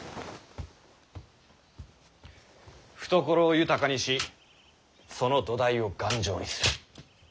懐を豊かにしその土台を頑丈にする。